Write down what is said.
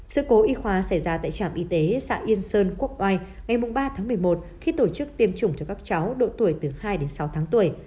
sự cố y khoa xảy ra tại trạm y tế xã yên sơn quốc oai ngày ba tháng một mươi một khi tổ chức tiêm chủng cho các cháu độ tuổi từ hai đến sáu tháng tuổi